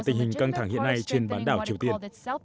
tình hình căng thẳng hiện nay trên bán đảo triều tiên